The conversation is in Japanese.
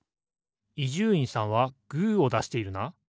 伊集院さんはグーをだしているな。